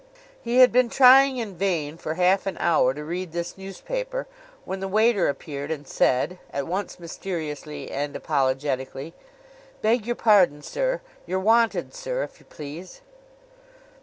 He had been trying in vain, for half an hour, to read this newspaper, when the waiter appeared and said, at once mysteriously and apologetically: 'Beg your pardon, sir. You're wanted, sir, if you please.